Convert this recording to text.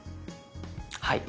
はい。